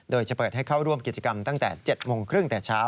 โดยจะเปิดให้เข้าร่วมกิจกรรมตั้งแต่๗โมงครึ่งแต่เช้า